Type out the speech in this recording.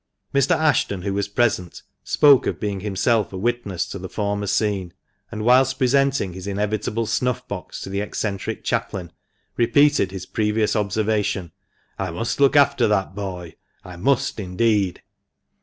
Mr. Ashton, who was present, spoke of being himself a witness to the former scene, and, whilst presenting his inevitable snuff box to the eccentric chaplain, repeated his previous observation —•' I must look after that boy — I must indeed